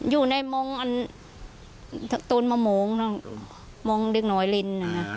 อยู่ในมองอันต้นมะม่วงน่ะมองดึกน้อยลิ้นน่ะ